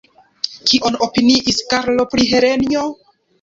Kion opiniis Karlo pri Helenjo?